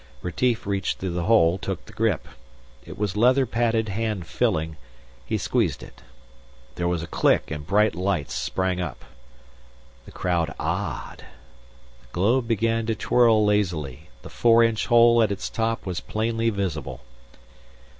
Retief reached through the hole, took the grip. It was leather padded hand filling. He squeezed it. There was a click and bright lights sprang up. The crowd ah! ed. The globe began to twirl lazily. The four inch hole at its top was plainly visible.